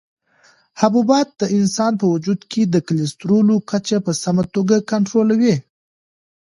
حبوبات د انسان په وجود کې د کلسترولو کچه په سمه توګه کنټرولوي.